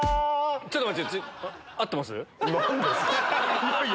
ちょっと待って！